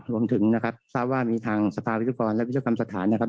รวมถึงนะครับทราบว่ามีทางสภาวิศกรและวิศกรรมสถานนะครับ